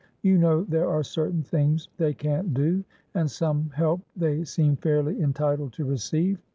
You know there are certain things they can't do, and some help they seem fairly entitled to receive.